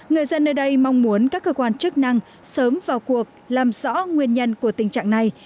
người dân nơi đây mong muốn các cơ quan chức năng sớm vào cuộc làm rõ nguyên nhân của tình trạng này